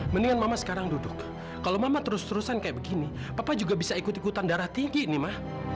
mendingan mama sekarang duduk kalau mama terus terusan kayak begini papa juga bisa ikut ikutan darah tinggi nih mah